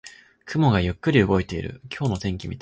雲がゆっくり動いている。